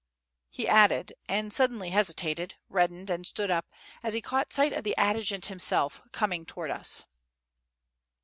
] he added; and suddenly hesitated, reddened, and stood up, as he caught sight of the adjutant himself coming toward us.